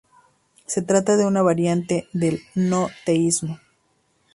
Se trata de una variante del No teísmo.